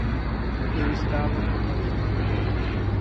Eu estava com calor.